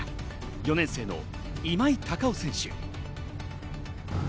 ４年生の今井隆生選手。